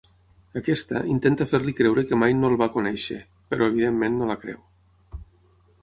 Aquesta, intenta fer-li creure que mai no el va conèixer però, evidentment, no la creu.